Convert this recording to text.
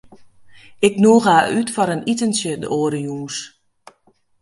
Ik nûge har út foar in itentsje de oare jûns.